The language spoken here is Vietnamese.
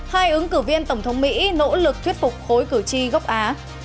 hai ứng cử viên tổng thống mỹ nỗ lực thuyết phục khối cử tri gốc á